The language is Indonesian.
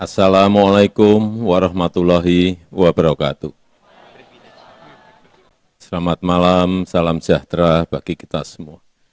selamat malam salam sejahtera bagi kita semua